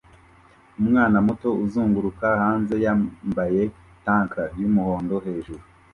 Umwana muto uzunguruka hanze yambaye tank yumuhondo hejuru